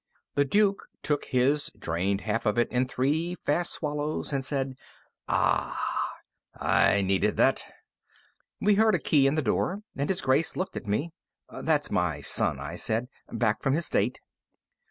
The Duke took his, drained half of it in three fast swallows, and said: "Ahhhhhh! I needed that." We heard a key in the door, and His Grace looked at me. "That's my son," I said. "Back from his date."